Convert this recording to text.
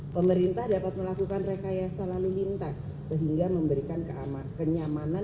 pemerintah dapat melakukan rekayasa lalu lintas sehingga memberikan kenyamanan